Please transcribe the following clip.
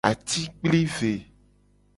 Atikplive.